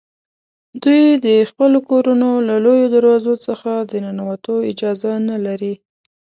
دوی د خپلو کورونو له لویو دروازو څخه د ننوتو اجازه نه لري.